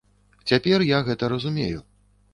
Цяпер я гэта разумею.